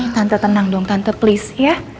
tante tenang dong tante please ya